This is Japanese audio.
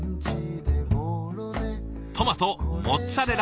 トマトモッツァレラ